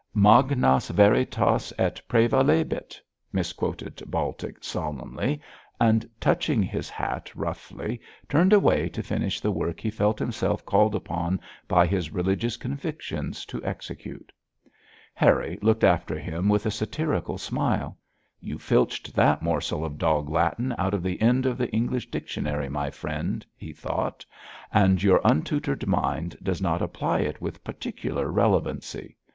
'Magnas veritas et praevalebit!' misquoted Baltic, solemnly, and, touching his hat roughly, turned away to finish the work he felt himself called upon by his religious convictions to execute. Harry looked after him with a satirical smile. 'You filched that morsel of dog Latin out of the end of the English dictionary, my friend,' he thought, 'and your untutored mind does not apply it with particular relevancy.